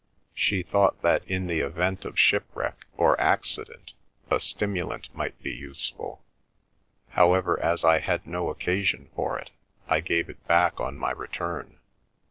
She thought that in the event of shipwreck or accident a stimulant might be useful. However, as I had no occasion for it, I gave it back on my return.